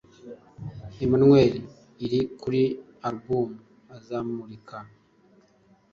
Emmanuel' iri kuri Album azamurika